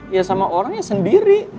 ya sama orangnya sendiri